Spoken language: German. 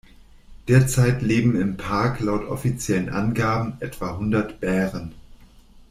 Derzeit leben im Park laut offiziellen Angaben etwa hundert Bären.